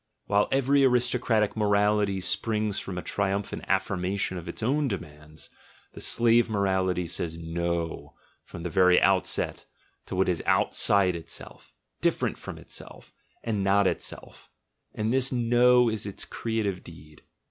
While every aristocratic morality springs from a triumphant affirmation of its own demands, the slave morality says "no" from the very outset to what is "out side itself," "different from itself," and "not itself: and this "no" is its creative deed.